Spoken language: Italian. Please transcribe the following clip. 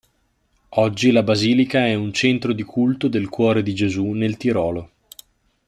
Oggi la basilica è un centro di culto del Cuore di Gesù nel Tirolo.